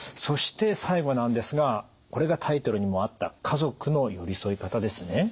そして最後なんですがこれがタイトルにもあった家族の寄り添い方ですね。